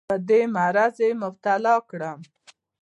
په دې مرض یې مبتلا کړم.